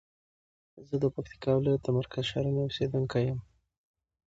زه د پکتیکا ولایت د مرکز شرنی اوسیدونکی یم.